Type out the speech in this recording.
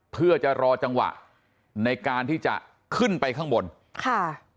เพื่อจะรอจังหวะในการที่จะขึ้นไปข้างบนค่ะ